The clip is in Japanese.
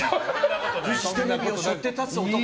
フジテレビをしょって立つ男。